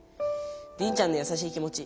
リンちゃんのやさしい気持ち